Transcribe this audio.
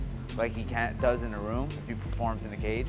dan dia menunjukkan kemampuan untuk berkembang